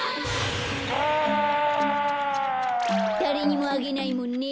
だれにもあげないもんね。